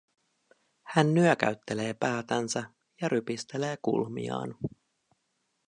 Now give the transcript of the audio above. Hän nyökäyttelee päätänsä ja rypistelee kulmiaan.